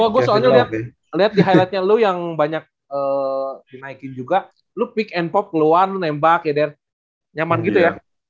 gue soalnya lihat di highlight nya lu yang banyak dinaikin juga lu pick and pop keluar lu nembak nyaman gitu ya